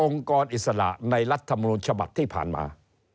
กรอิสระในรัฐมนูญฉบับที่ผ่านมา